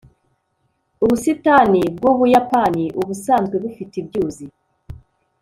ubusitani bw'ubuyapani ubusanzwe bufite ibyuzi